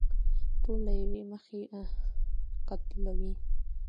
ټول له يوې مخې قتلوي.